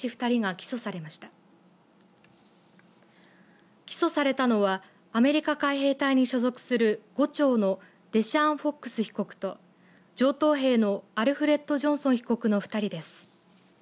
起訴されたのはアメリカ海兵隊に所属する伍長のデシャーン・フォックス被告と上等兵のアルフレッド・ジョンソン被告の２人です。